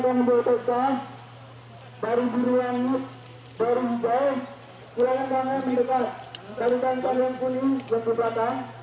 kawan kawan yang kuning dan berbatas